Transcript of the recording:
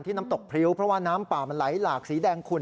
น้ำตกพริ้วเพราะว่าน้ำป่ามันไหลหลากสีแดงคุณ